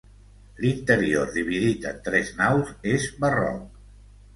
L'interior, dividit en tres naus, és barroc.